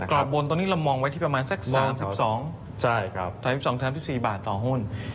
รอบบนตอนนี้เรามองไว้ที่ประมาณสัก๓๒๓๒๑๔บาทต่อหุ้น